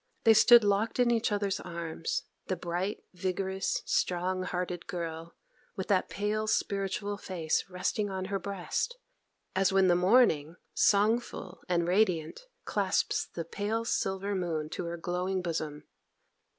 They stood locked in each other's arms; the bright, vigorous, strong hearted girl, with that pale, spiritual face resting on her breast, as when the morning, songful and radiant, clasps the pale silver moon to her glowing bosom.